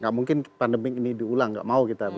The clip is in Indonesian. gak mungkin pandemik ini dipilih untuk hal lainnya ya